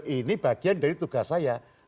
ini bagian dari tugas saya